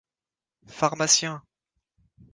Pharmacien !